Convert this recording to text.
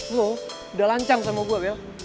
lu udah lancang sama gua bel